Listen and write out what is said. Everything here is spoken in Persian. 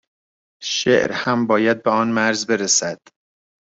شعر هم باید به آن مرز برسد